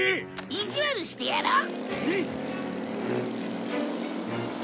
意地悪してやろう！